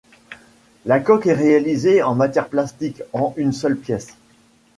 La coque est réalisé en matière plastique en une seule pièce.